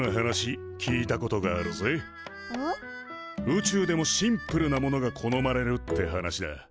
宇宙でもシンプルなものが好まれるって話だ。